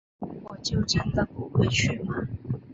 我就真的不会去吗